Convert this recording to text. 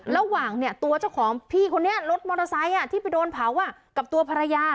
ระหว่างเนี่ยตัวเจ้าของพี่คนนี้รถมอเตอร์ไซค์ที่ไปโดนเผากับตัวภรรยา